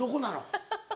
ハハハハ。